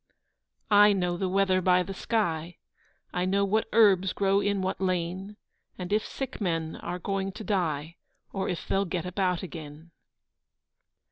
I know the weather by the sky, I know what herbs grow in what lane; And if sick men are going to die, Or if they'll get about again.